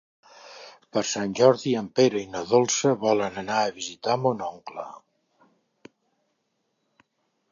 Per Sant Jordi en Pere i na Dolça volen anar a visitar mon oncle.